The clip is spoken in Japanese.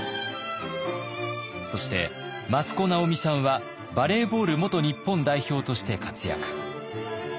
そして益子直美さんはバレーボール元日本代表として活躍。